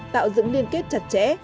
tạo dựng liên kết chặt chẽ